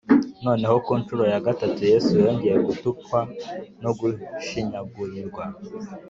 noneho ku ncuro ya gatatu yesu yongeye gutukwa no gushinyagurirwa,